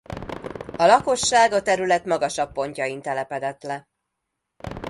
A lakosság a terület magasabb pontjain telepedett le.